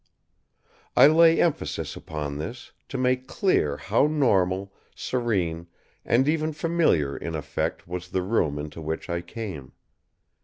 I lay emphasis upon this, to make clear how normal, serene and even familiar in effect was the room into which I came.